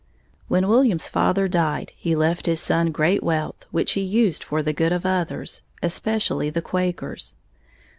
When William's father died, he left his son great wealth, which he used for the good of others, especially the Quakers.